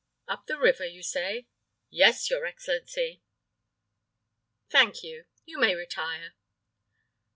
"Up the river, you say?" "Yes, your excellency." "Thank you. You may retire."